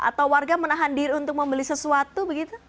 atau warga menahan diri untuk membeli sesuatu begitu